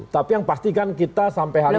tapi yang pasti kan kita sampai hari ini